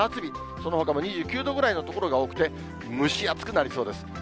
そのほかも２９度ぐらいの所が多くて、蒸し暑くなりそうです。